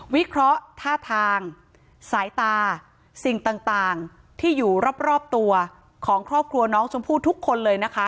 วิเคราะห์ท่าทางสายตาสิ่งต่างที่อยู่รอบตัวของครอบครัวน้องชมพู่ทุกคนเลยนะคะ